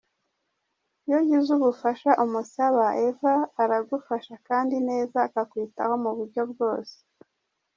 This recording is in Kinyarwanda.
Iyo ugize ubufasha umusaba ,Eva aragufasha kandi neza akakwitaho mu buryo bwose.